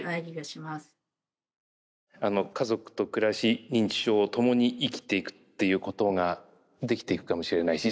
家族と暮らし認知症を共に生きていくっていうことができていくかもしれないし